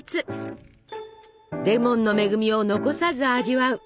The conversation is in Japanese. レモンの恵みを残さず味わう！